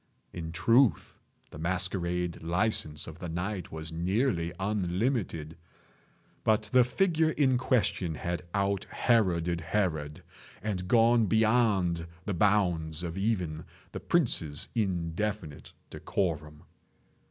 In truth the masquerade license of the night was nearly unlimited; but the figure in question had out Heroded Herod, and gone beyond the bounds of even the prince's indefinite decorum.